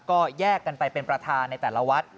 ก็แยกกันไปเป็นประธานในแต่ละวัด